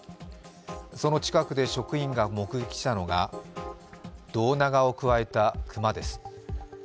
その近くで職員が目撃したのが、胴長をくわえた熊です。